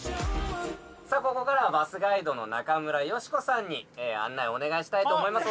さあここからはバスガイドの中村美子さんに案内をお願いしたいと思います。